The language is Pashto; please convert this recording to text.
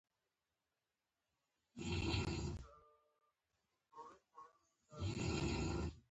هغوی پښتانه دي چې په همدغو سیمو کې آباد دي.